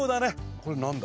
これ何だ？